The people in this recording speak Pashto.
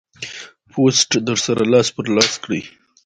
پوسټ در سره لاس پر لاس کړئ.